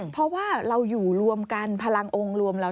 เพราะว่าเราอยู่รวมกันพลังองค์รวมเรา